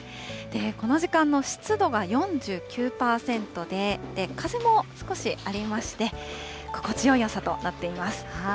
この時間の湿度は４９％で、風も少しありまして、心地よい朝となっています。